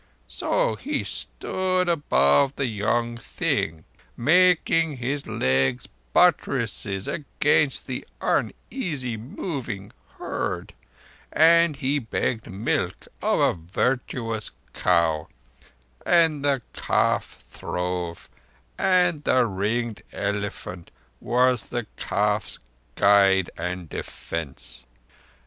So he stood above the young thing, making his legs buttresses against the uneasily moving herd; and he begged milk of a virtuous cow, and the calf throve, and the ringed elephant was the calf's guide and defence.